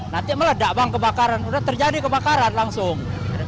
nanti meledak bang kebakaran udah terjadi kebakaran langsung